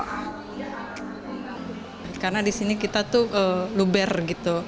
karena di sini kita itu luber gitu